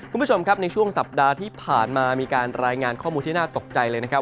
คุณผู้ชมครับในช่วงสัปดาห์ที่ผ่านมามีการรายงานข้อมูลที่น่าตกใจเลยนะครับ